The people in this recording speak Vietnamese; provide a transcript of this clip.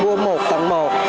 mua một tặng một